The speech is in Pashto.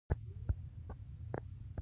قلات ښار ولې د غونډۍ په سر دی؟